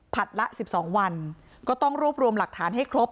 ละ๑๒วันก็ต้องรวบรวมหลักฐานให้ครบ